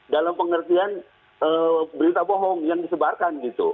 dalam pengertian berita bohong yang disebarkan gitu